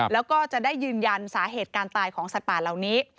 แล้วก็จะได้ยืนยันสาเหตุการตายของสัตว์ป่าเหล่านี้